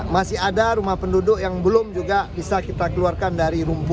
masih ada rumah penduduk yang belum juga bisa kita keluarkan dari rumput